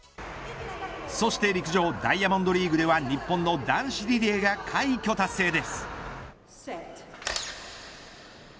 そして陸上ダイヤモンドリーグでは日本の男子リレーが快挙達成です。